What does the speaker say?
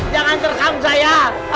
jangan terkang saya